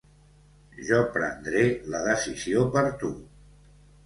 Jo prendré la decisió per tu.